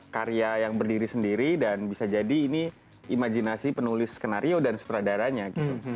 karya yang berdiri sendiri dan bisa jadi ini imajinasi penulis skenario dan sutradaranya gitu